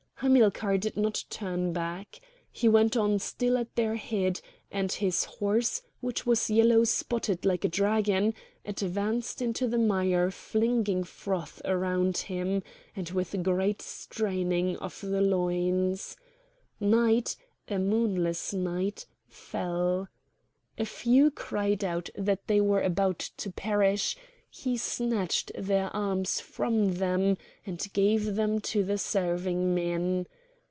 Hamilcar did not turn back. He went on still at their head; and his horse, which was yellow spotted like a dragon, advanced into the mire flinging froth around him, and with great straining of the loins. Night—a moonless light—fell. A few cried out that they were about to perish; he snatched their arms from them, and gave them to the serving men.